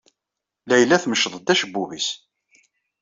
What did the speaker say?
Layla temceḍ-d acebbub-is.